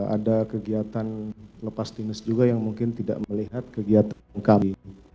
ada kegiatan lepas dinas juga yang mungkin tidak melihat kegiatan kami